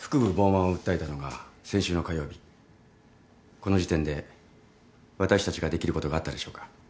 この時点で私たちができることがあったでしょうか？